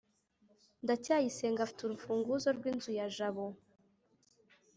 ndacyayisenga afite urufunguzo rw'inzu ya jabo